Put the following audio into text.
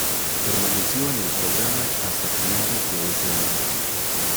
Permaneció en el programa hasta finales de ese año.